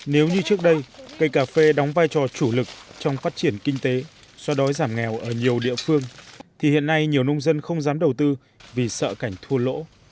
nếu như trước đây cây cà phê đóng vai trò chủ lực trong phát triển kinh tế xoa đói giảm nghèo ở nhiều địa phương thì hiện nay nhiều nông dân không dám đầu tư vì sợ cảnh thua lỗ